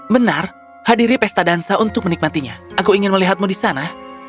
benar hadiri pesta dansa untuk menikmatinya aku ingin melihatmu di sana